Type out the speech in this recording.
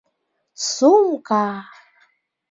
Сумка!